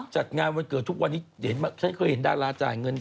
จัดงานวันเกิดทุกวันนี้เห็นฉันเคยเห็นดาราจ่ายเงิน